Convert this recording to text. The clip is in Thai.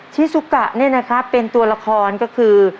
ซุกะเนี่ยนะครับเป็นตัวละครก็คือ